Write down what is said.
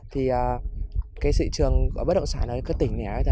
thì cái thị trường của bất đồng sản ở các tỉnh nẻ